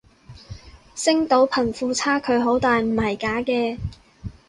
星島貧富差距好大唔係假嘅